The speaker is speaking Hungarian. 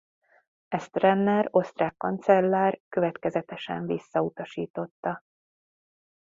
Ezt Renner osztrák kancellár következetesen visszautasította.